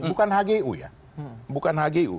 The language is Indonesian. bukan hgu ya